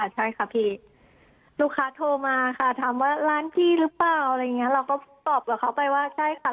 ใช่ค่ะพี่ลูกค้าโทรมาค่ะถามว่าร้านพี่หรือเปล่าอะไรอย่างนี้เราก็ตอบกับเขาไปว่าใช่ค่ะ